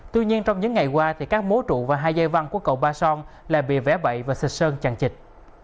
tuy nhiên trong những ngày qua thì các mố trụ và hai dây văn của cầu ba son lại bị vẽ bậy và sệt sơn chặn chịch